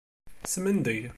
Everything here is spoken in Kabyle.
Smendeg.